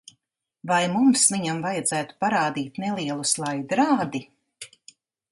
Vai mums viņam vajadzētu parādīt nelielu slaidrādi?